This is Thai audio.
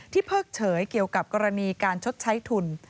เพิกเฉยเกี่ยวกับกรณีการชดใช้ทุน